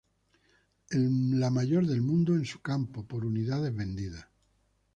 La mayor del mundo en su campo por unidades vendidas.